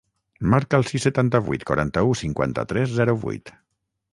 Marca el sis, setanta-vuit, quaranta-u, cinquanta-tres, zero, vuit.